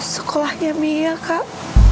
sekolahnya mia kak